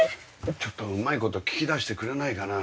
ちょっとうまいこと聞き出してくれないかな？